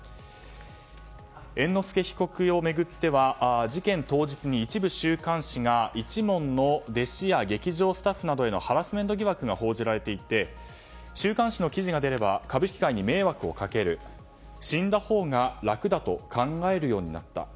猿之助被告を巡っては事件当日に、一部週刊誌が一門の弟子や劇場スタッフなどへのハラスメント疑惑が報じられていて週刊誌の記事が出れば歌舞伎界に迷惑をかける死んだほうが楽だと考えるようになった。